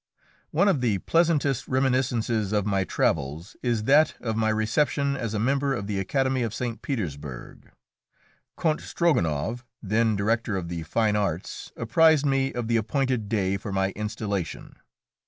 One of the pleasantest reminiscences of my travels is that of my reception as a member of the Academy of St. Petersburg. Count Strogonoff, then Director of the Fine Arts, apprised me of the appointed day for my installation.